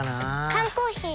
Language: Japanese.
缶コーヒー